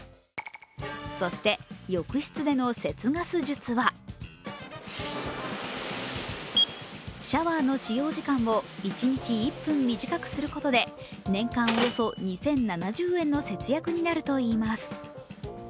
そして、浴室での節ガス術はシャワーの使用時間を一日１分短くすることで、年間およそ２０７０円の節約になるといいます。